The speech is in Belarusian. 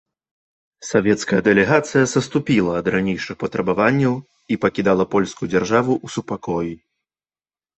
Савецкая дэлегацыя саступіла ад ранейшых патрабаванняў і пакідала польскую дзяржаву ў супакоі.